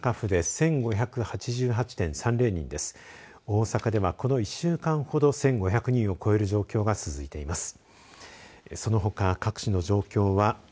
大阪ではこの１週間ほど１５００人を超える状況が続いています。